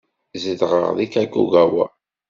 Zedɣeɣ deg Kakogawa.